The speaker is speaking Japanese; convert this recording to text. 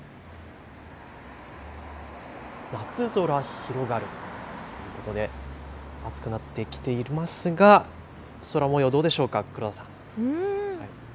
夏空、広がる。ということで暑くなってきていますが空もようどうでしょうか、黒田さん。